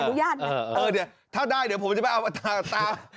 อนุญาตไหมเออเดี๋ยวถ้าได้เดี๋ยวผมจะไปเอาอัตรา